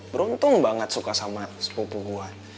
beruntung banget suka sama sepupu gua